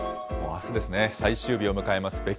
もうあすですね、最終日を迎えます